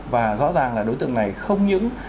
và rõ ràng là đối tượng này không những